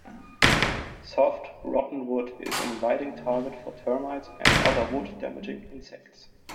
Soft, rotten wood is an inviting target for termites and other wood-damaging insects.